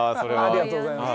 ありがとうございます。